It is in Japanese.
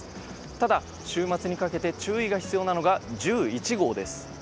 ただ、週末にかけて注意が必要なのが１１号です。